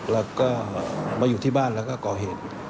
แล้วก็มาอยู่ที่บ้านแล้วก็ก่อเหตุ